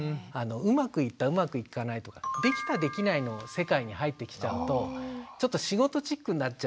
うまくいったうまくいかないとかできたできないの世界に入ってきちゃうとちょっと仕事チックになっちゃうというか。